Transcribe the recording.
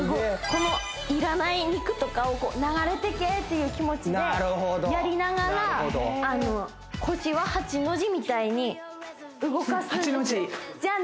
この要らない肉とかを流れていけっていう気持ちでやりながら腰は８の字みたいに動かすんですじゃあ